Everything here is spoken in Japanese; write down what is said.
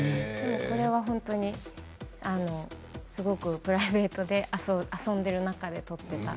これは本当にすごくプライベートで遊んでいる中で撮っていた。